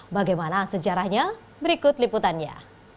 bagaimana sejarahnya berikut liputannya